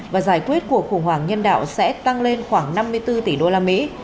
và giải quyết cuộc khủng hoảng nhân đạo sẽ tăng lên khoảng năm mươi bốn tỷ usd